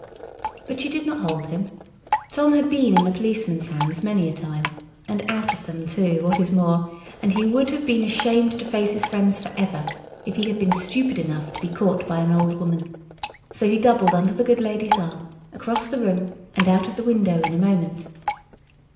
But she did not hold him. Tom had been in a policeman's hands many a time, and out of them too, what is more; and he would have been ashamed to face his friends for ever if he had been stupid enough to be caught by an old woman; so he doubled under the good lady's arm, across the room, and out of the window in a moment.